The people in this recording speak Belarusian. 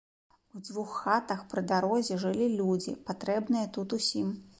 У дзвюх хатах пры дарозе жылі людзі, патрэбныя тут усім.